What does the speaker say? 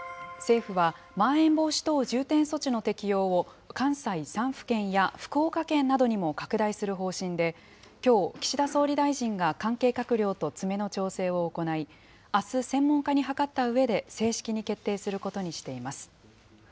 政府は、まん延防止等重点措置の適用を関西３府県や福岡県などにも拡大する方針で、きょう、岸田総理大臣が関係閣僚と詰めの調整を行い、あす、専門家に諮ったうえで、正式に決定することにしています。